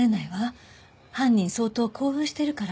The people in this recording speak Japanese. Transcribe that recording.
犯人相当興奮してるから。